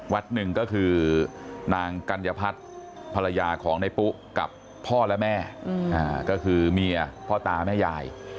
หนึ่งก็คือนางกัญญพัฒน์ภรรยาของในปุ๊กับพ่อและแม่ก็คือเมียพ่อตาแม่ยาย